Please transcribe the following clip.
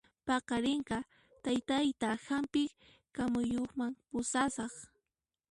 Paqarinqa taytaytan hampi kamayuqman pusasaq